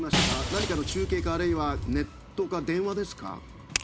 何かの中継かあるいはネットか電話ですか？